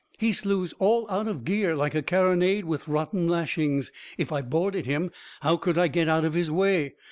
He slews all out of gear, like a carronade with rotten lashings. If I boarded him, how could I get out of his way?